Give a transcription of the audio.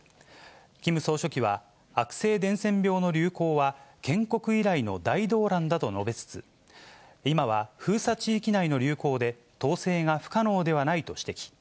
キム総書記は、悪性伝染病の流行は、建国以来の大動乱だと述べつつ、今は封鎖地域内の流行で統制が不可能ではないと指摘。